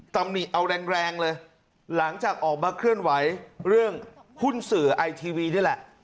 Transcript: ตำหนิเอาแรงแรงเลยหลังจากออกมาเคลื่อนไหวเรื่องหุ้นสื่อไอทีวีนี่แหละ